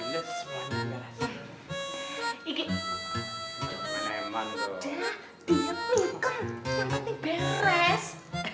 yang penting beres